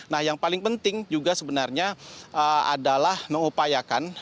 nah yang paling penting juga sebenarnya adalah mengupayakan